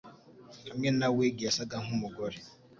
Hamwe na wig, yasaga nkumugore.